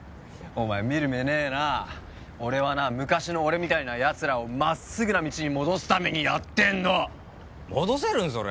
お前見る目ねえなあ俺はな昔の俺みたいなヤツらを真っすぐな道に戻すためにやってんの戻せるん？